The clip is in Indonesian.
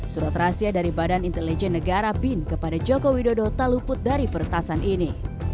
surat rahasia dari badan intelijen negara bin kepada joko widodo tak luput dari peretasan ini